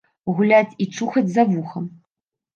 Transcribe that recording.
Гуляць і чухаць за вухам?